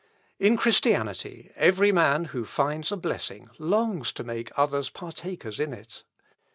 In Christianity, every man who finds a blessing longs to make others partakers in it.